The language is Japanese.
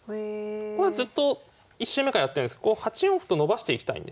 これはずっと１週目からやってるんですが８四歩と伸ばしていきたいんですね